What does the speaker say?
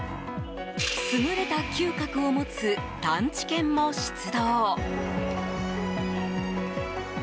優れた嗅覚を持つ探知犬も出動。